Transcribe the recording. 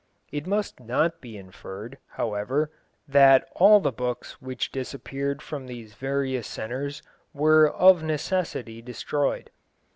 It must not be inferred, however, that all the books which disappeared from these various centres were of necessity destroyed.